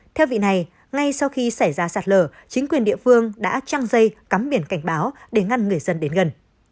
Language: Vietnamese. theo vị này ngay sau khi xảy ra sạt lở chính quyền địa phương đã trăng dây cắm biển cảnh báo để ngăn người dân đến gần